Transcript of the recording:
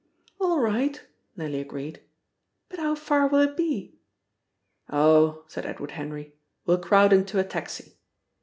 "All right," Nellie agreed. "But how far will it be?" "Oh," said Edward Henry, "we'll crowd into a taxi!"